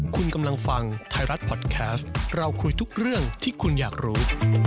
คุณกำลังฟังไทยรัฐพอดแคสต์เราคุยทุกเรื่องที่คุณอยากรู้